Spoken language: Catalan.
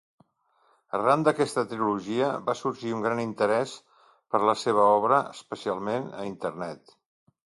Arran d'aquesta trilogia va sorgir un gran interès per la seva obra, especialment a Internet.